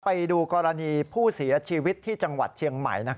ไปดูกรณีผู้เสียชีวิตที่จังหวัดเชียงใหม่